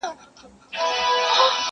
په توره شپه کي د رڼا د کاروان لاري څارم,